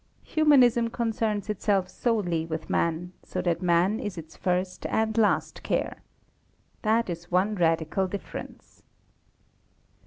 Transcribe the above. Humanism concerns itself solely with Man, so that Man is its first and last care. That is one radical difference.